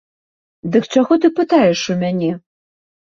Дык чаго ты пытаеш у мяне?